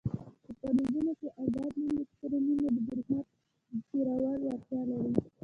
په فلزونو کې ازاد الکترونونه د برېښنا تیرولو وړتیا لري.